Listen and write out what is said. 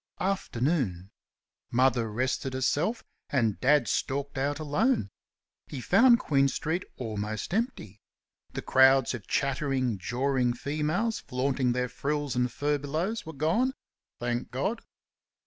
Afternoon. Mother rested herself, and Dad stalked out alone. He found Queen street almost empty. The crowds of chattering, jawing females flaunting their frills and furbelows were gone. (Thank God!)